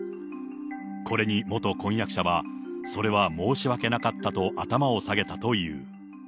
これに元婚約者は、それは申し訳なかったと頭を下げたという。